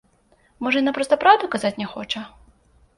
Можа, яна проста праўду казаць не хоча?